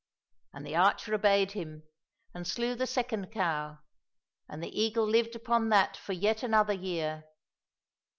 " And the archer obeyed him, and 240 THE MAGIC EGG slew the second cow, and the eagle lived upon that for yet another year.